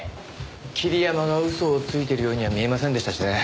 桐山が嘘をついてるようには見えませんでしたしね。